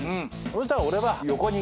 そしたら俺は。